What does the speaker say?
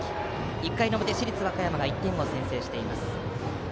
１回の表、市立和歌山が１点を先制しています。